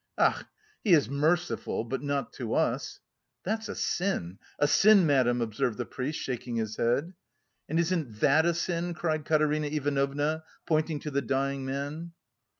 "Ach! He is merciful, but not to us." "That's a sin, a sin, madam," observed the priest, shaking his head. "And isn't that a sin?" cried Katerina Ivanovna, pointing to the dying man.